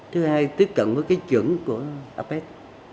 thứ hai tiếp cận với cái chuẩn của apes